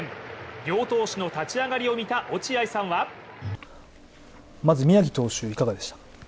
両投手の立ち上がりを見た落合さんはまず宮城投手、いかがでした？